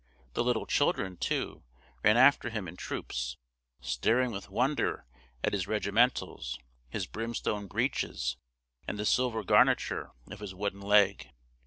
The little children, too, ran after him in troops, staring with wonder at his regimentals, his brimstone breeches, and the silver garniture of his wooden leg.